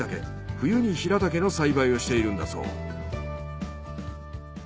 冬にヒラタケの栽培をしているんだそう。